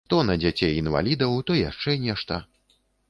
То на дзяцей інвалідаў, то яшчэ нешта.